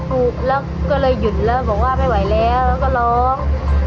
กรเลยหยุดแล้วบอกว่าไม่ไหวแล้วก็ร้อง